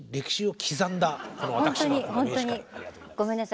ごめんなさい